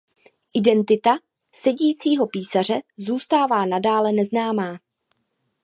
Identita Sedícího písaře zůstává nadále neznámá.